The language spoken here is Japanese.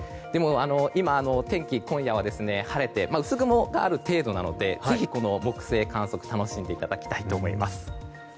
天気、今夜は晴れて薄雲がある程度なのでぜひ、木星観測楽しんでいただきたいと思います。